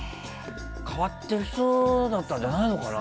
変わっている人だったんじゃないのかな。